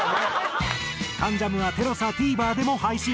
『関ジャム』はＴＥＬＡＳＡＴＶｅｒでも配信。